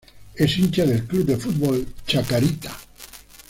Es hincha del club de fútbol Chacarita.